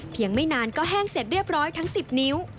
ไม่นานก็แห้งเสร็จเรียบร้อยทั้ง๑๐นิ้ว